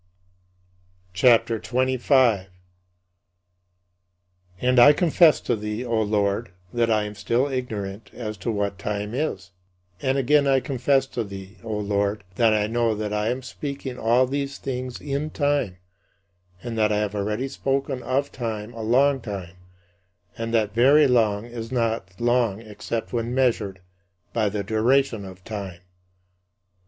CHAPTER XXV 32. And I confess to thee, O Lord, that I am still ignorant as to what time is. And again I confess to thee, O Lord, that I know that I am speaking all these things in time, and that I have already spoken of time a long time, and that "very long" is not long except when measured by the duration of time.